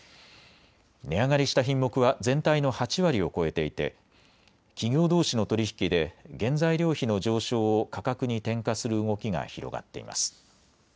値上がりした品目は全体の８割を超えていて企業どうしの取り引きで原材料費の上昇を価格に転嫁する動きが広がっています。